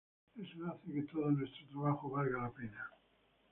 Eso hace que todo nuestro trabajo valga la pena".